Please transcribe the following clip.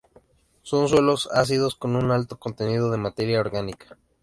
Son suelos ácidos con un alto contenido de materia orgánica.